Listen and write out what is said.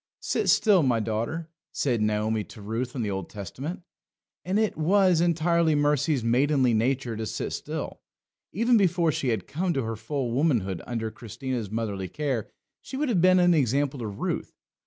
"Sit still, my daughter," said Naomi to Ruth in the Old Testament. And it was entirely Mercy's maidenly nature to sit still. Even before she had come to her full womanhood under Christiana's motherly care she would have been an example to Ruth.